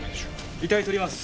遺体撮ります。